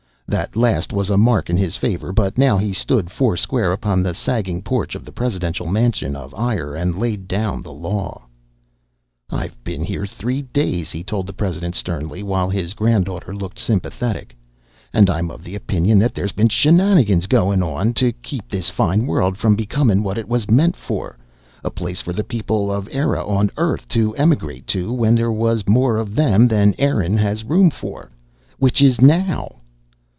That last was a mark in his favor, but now he stood four square upon the sagging porch of the presidential mansion of Eire, and laid down the law. "I've been here three days." he told the president sternly, while his granddaughter looked sympathetic, "and I'm of the opinion that there's been shenanigans goin' on to keep this fine world from becoming' what it was meant for a place for the people of Eire on Earth to emigrate to when there was more of them than Erin has room for. Which is now!"